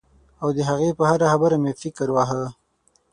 او د هغې پر هره خبره مې فکر واهه.